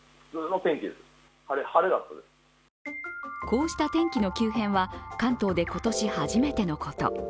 こうした天気の急変は関東で今年初めてのこと。